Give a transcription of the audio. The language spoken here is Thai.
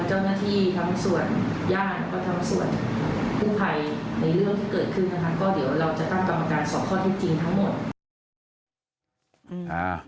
ทำน้ำที่ทำส่วนอย่างกว่าภาพภายในเรื่องที่เกิดขึ้นฮะก็เดี๋ยวเราจะตั้งกรรมการสอบข้อแทบจริงทั้งหมด